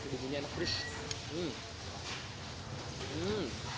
bungunya enak fresh